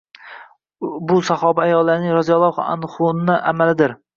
Bu sahobiya ayollarning roziyallohu anhunna amalidir